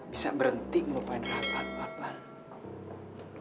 bisa berhenti ngelupain raka pak pak